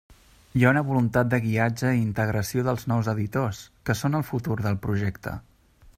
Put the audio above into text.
Hi ha una voluntat de guiatge i integració dels nous editors, que són el futur del projecte.